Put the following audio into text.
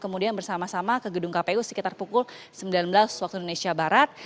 kemudian bersama sama ke gedung kpu sekitar pukul sembilan belas waktu indonesia barat